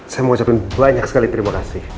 saya mau ucapin banyak sekali terima kasih